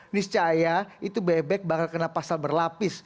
niscaya itu bebek bakal kena pasal berlapis